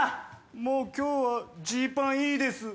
もう今日はジーパンいいです